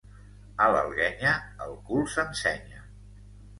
A l'Alguenya, el cul s'ensenya.